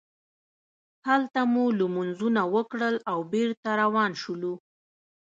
هلته مو لمونځونه وکړل او بېرته روان شولو.